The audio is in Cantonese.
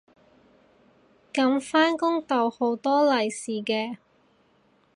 噉返工逗到好多利是嘅